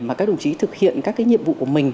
mà các đồng chí thực hiện các cái nhiệm vụ của mình